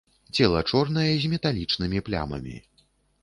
Цела чорнае з металічнымі плямамі.